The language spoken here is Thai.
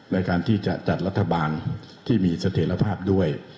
ในการที่จะจัดรัฐบาลที่มีเสถียรภาพด้วย